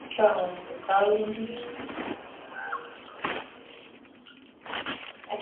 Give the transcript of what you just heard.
Ndikyangen kotawendi